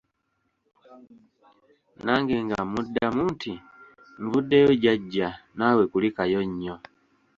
nange nga mmuddamu nti nvuddeyo Jjajja naawe kulikayo nnyo.